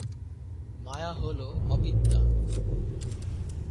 মায়া হল অবিদ্যা।